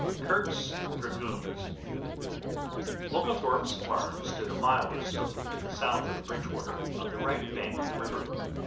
KIRKE'S DRAGOONS Oglethorpe's farm stood a mile or so to the south of Bridgewater on the right bank of the river.